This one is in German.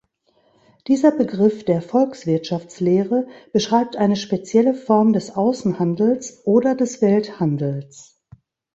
Dieser Begriff der Volkswirtschaftslehre beschreibt eine spezielle Form des Außenhandels oder des Welthandels.